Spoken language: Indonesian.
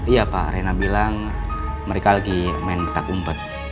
iya pak rena bilang mereka lagi main petak umpet